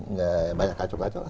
nggak banyak kacau kacau lah